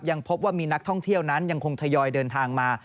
พบว่ามีนักท่องเที่ยวนั้นยังคงทยอยเดินทางมา